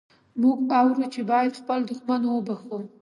موږ اورو چې باید خپل دښمن وبخښو.